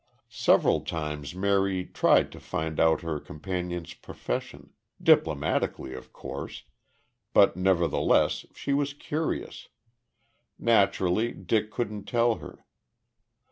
Several times Mary tried to find out her companion's profession diplomatically, of course, but nevertheless she was curious. Naturally, Dick couldn't tell her.